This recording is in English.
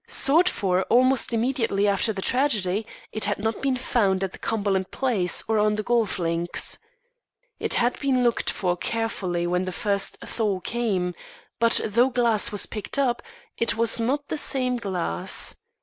Sought for almost immediately after the tragedy, it had not been found at the Cumberland place or on the golf links. It had been looked for carefully when the first thaw came; but, though glass was picked up, it was not the same glass.